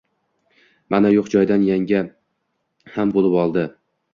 Mana, yo`q joydan yanga ham bo`lib oldi